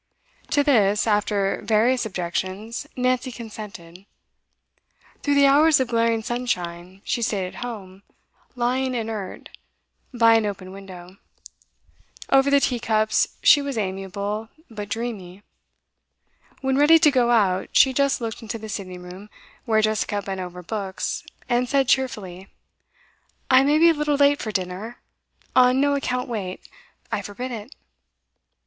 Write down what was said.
To this, after various objections, Nancy consented. Through the hours of glaring sunshine she stayed at home, lying inert, by an open window. Over the tea cups she was amiable, but dreamy. When ready to go out, she just looked into the sitting room, where Jessica bent over books, and said cheerfully: 'I may be a little late for dinner. On no account wait I forbid it!